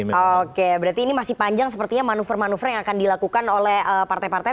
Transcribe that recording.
oke berarti ini masih panjang sepertinya manuver manuver yang akan dilakukan oleh partai partai